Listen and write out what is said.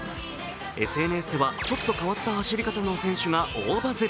ＳＮＳでは、ちょっと変わった走り方の選手が大バズり。